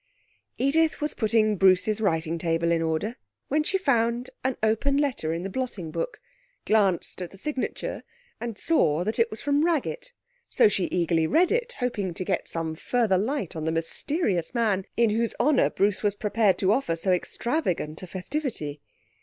Edith was putting Bruce's writing table in order when she found an open letter in the blotting book, glanced at the signature, and saw that it was from Raggett. So she eagerly read it, hoping to get some further light on the mysterious man in whose honour Bruce was prepared to offer so extravagant a festivity.